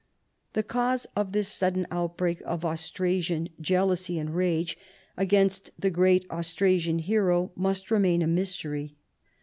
The cause of this sucklen outbreak of Aus trasian jealousy and rage against the great Aus trasian hero must remain a mystery.